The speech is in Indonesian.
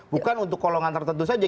bukan untuk kolongan tertentu saja